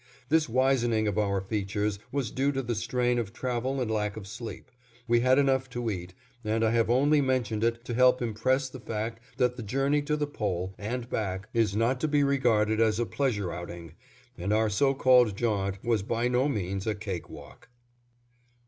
This wizening of our features was due to the strain of travel and lack of sleep; we had enough to eat, and I have only mentioned it to help impress the fact that the journey to the Pole and back is not to be regarded as a pleasure outing, and our so called jaunt was by no means a cake walk.